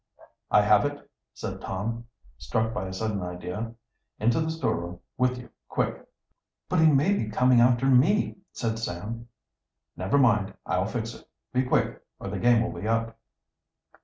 "I have it," said Tom, struck by a sudden idea. "Into the storeroom with you, quick! "But he may be coming after me!" said Sam. "Never mind I'll fix it. Be quick, or the game will be up!"